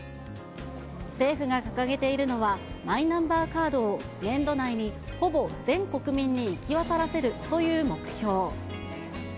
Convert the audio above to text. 政府が掲げているのは、マイナンバーカードを年度内にほぼ全国民に行き渡らせるという目標。